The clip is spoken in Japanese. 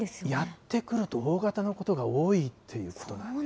やって来ると大型のことが多いということなんですね。